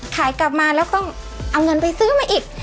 กลับมาแล้วก็เอาเงินไปซื้อมาอีก